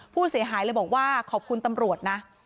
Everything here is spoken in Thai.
ผู้เสียหายเลยบอกว่าขอบคุณตำรวจนะ